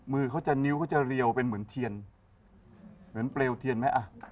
มือเขาจะเหลวเห็นไหม